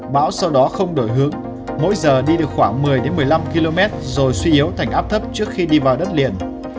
bão sau đó không đổi hướng mỗi giờ đi được khoảng một mươi một mươi năm km rồi suy yếu thành áp thấp trước khi đi vào đất liền